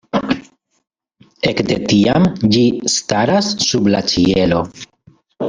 Ekde tiam ĝi staras sub la ĉielo.